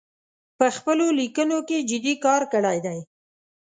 په خپلو لیکنو کې جدي کار کړی دی